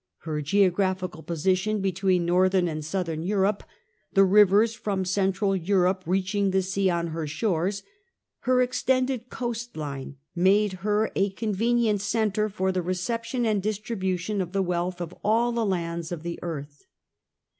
Her geographical position, between northern and southern Europe, the rivers from central Europe reaching the sea on her shores, her extended coast line, made her a convenient centre for the reception and distribution of the wealth of all the lands of the earth.